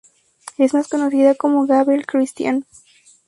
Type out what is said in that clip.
Es más conocida como Gabrielle Christian.